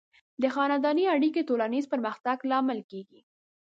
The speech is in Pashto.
د خاندنۍ اړیکې د ټولنیز پرمختګ لامل کیږي.